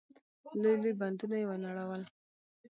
لوی لوی بندونه يې ونړول.